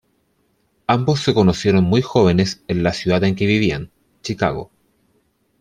Ambos se conocieron muy jóvenes en la ciudad en que vivían, Chicago.